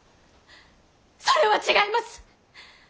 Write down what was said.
それは違います！